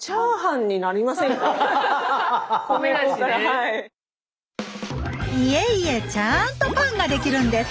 いえいえちゃんとパンができるんです！